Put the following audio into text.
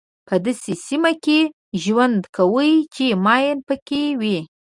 په داسې سیمه کې ژوند کوئ چې ماین پکې وي.